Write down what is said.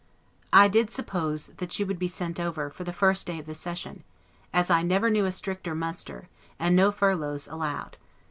I did suppose that you would be sent over, for the first day of the session; as I never knew a stricter muster, and no furloughs allowed.